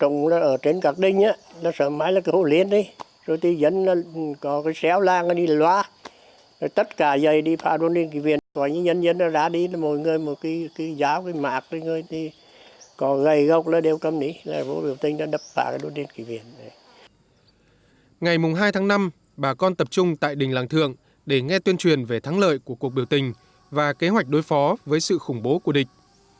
ngày hai tháng năm bà con tập trung tại đình làng thượng để nghe tuyên truyền về thắng lợi của cuộc biểu tình và kế hoạch đối phó với sự khủng bố của địch